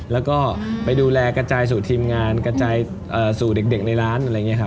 และก็ดูแลกระจายสูตรทีมงานกระจายสูตรเด็กในร้าน